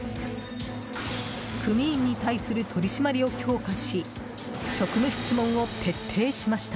組員に対する取り締まりを強化し職務質問を徹底しました。